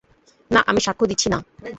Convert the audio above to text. না, আমি সাক্ষ্য দিচ্ছি না।